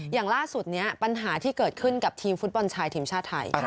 อย่างล่าสุดนี้ปัญหาที่เกิดขึ้นกับทีมฟุตบอลชายทีมชาติไทย